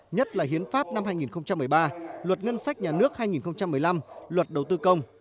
nhất là hiến pháp năm hai nghìn một mươi ba luật ngân sách nhà nước hai nghìn một mươi năm luật đầu tư công